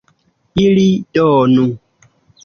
ili donu.